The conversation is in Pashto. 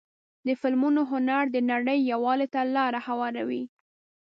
د فلمونو هنر د نړۍ یووالي ته لاره هواروي.